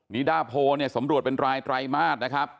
นิดาโพเนี่ยสำรวจเป็นรายไตรมาสนะครับ